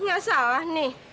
nggak salah nih